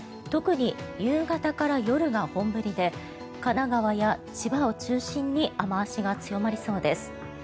特に夕方から夜が本降りで神奈川や千葉を中心に雨脚が強まりそうです。